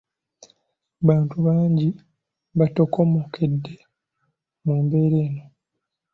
Bantu bangi batokomokedde mu mbeera eno.